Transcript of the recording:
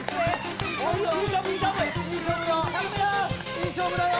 いい勝負だよ！